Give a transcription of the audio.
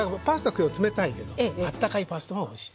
今日は冷たいけどあったかいパスタもおいしい。